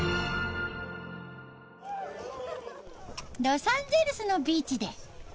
ロサンゼルスのビーチで。